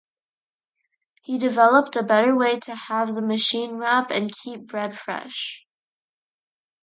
He developed a better way to have the machine wrap and keep bread fresh.